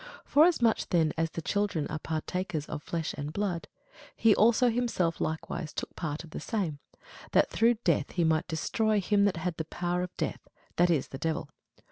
Forasmuch then as the children are partakers of flesh and blood, he also himself likewise took part of the same; that through death he might destroy him that had the power of death, that is, the devil.